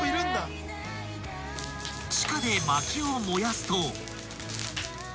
［地下でまきを燃やすと］